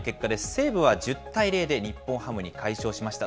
西武は１０対０で日本ハムに快勝しました。